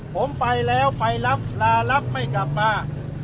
ผมไปแล้วไปรับลารับไม่กลับมา